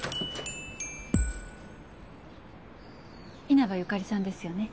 稲葉由香利さんですよね？